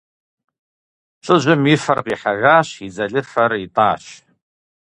Лӏыжьым и фэр къихьэжащ, и дзэлыфэр итӀащ.